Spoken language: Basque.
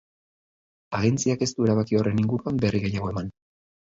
Agentziak ez du erabaki horren inguruan berri gehiago eman.